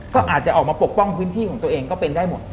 ก็อาจจะออกมาปกป้องพื้นที่ของตัวเองก็เป็นได้หมด